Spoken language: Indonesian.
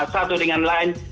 satu dengan lain